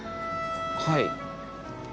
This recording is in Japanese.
はい。